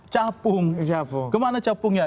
capung kemana capungnya